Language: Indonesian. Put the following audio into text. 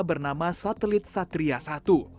bernama satelit satria satu